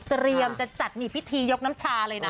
เตรียมจะจัดนี่พิธียกน้ำชาเลยนะ